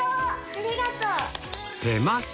ありがとう！